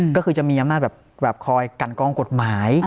ก็คือจะมีอำนาจแบบคอยกันกองกฎหมาย